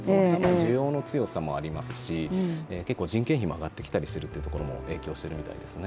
需要の強さもありますし、結構人件費も上がってきているというところも影響されていると思います。